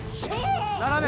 斜め！